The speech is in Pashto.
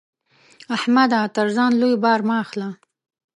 احمده! تر ځان لوی بار مه اخله.